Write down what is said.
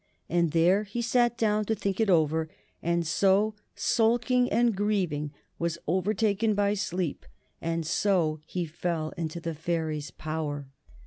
And there he sat down to think it over, and so, sulking and grieving, was overtaken by sleep. And so he fell into the fairies' power.